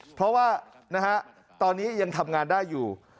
เพราะว่าตอนนี้ยังทำงานได้อยู่